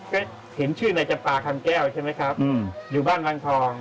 ก็เห็นชื่อนายจำปาคำแก้วใช่ไหมครับอยู่บ้านอ่างทอง